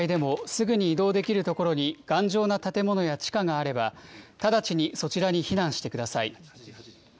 屋内にいる場合でも、すぐに移動できる所に頑丈な建物や地下があれば、直ちにそちらに避難してください。